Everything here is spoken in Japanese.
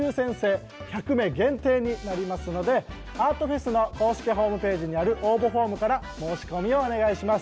１００名限定になりますのでアートフェスの公式ホームページにある応募フォームから申し込みをお願いします。